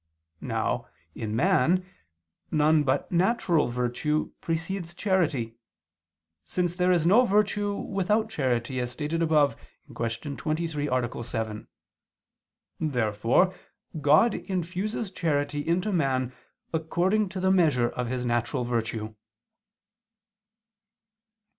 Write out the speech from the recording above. Now, in man, none but natural virtue precedes charity, since there is no virtue without charity, as stated above (Q. 23, A. 7). Therefore God infuses charity into man according to the measure of his natural virtue.